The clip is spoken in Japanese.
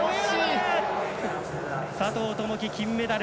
佐藤友祈、金メダル。